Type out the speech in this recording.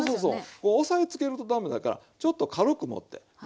こう押さえつけると駄目だからちょっと軽く持ってね。